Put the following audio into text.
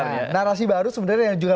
narasi baru sebenarnya yang juga